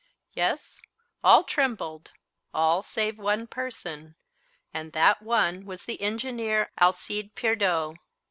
Yes, all trembled, all save one person, and that one was the engineer Alcide Pierdeux.